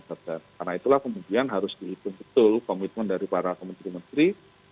karena itulah kemudian harus diikuti betul komitmen dari para kementerian menteri